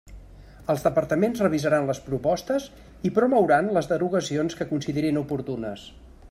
Els departaments revisaran les propostes i promouran les derogacions que considerin oportunes.